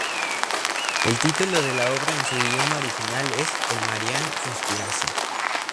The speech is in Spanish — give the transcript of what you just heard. El título de la obra, en su idioma original, es "The Marian Conspiracy".